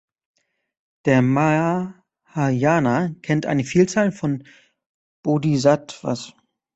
Der Mahayana kennt eine Vielzahl von Bodhisattvas.